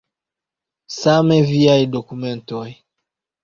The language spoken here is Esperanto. Same viaj dokumentoj.